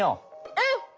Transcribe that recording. うん！